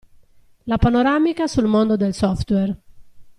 La panoramica sul mondo del software.